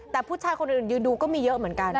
แต่ผู้ชายคนอื่นยืนดูก็มีเยอะเหมือนกัน